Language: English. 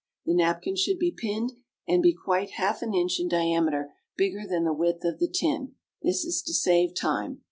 The napkin should be pinned, and be quite half an inch in diameter bigger than the width of the tin. This is to save time.